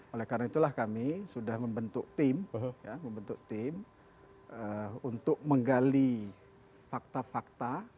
oleh karena itulah kami sudah membentuk tim membentuk tim untuk menggali fakta fakta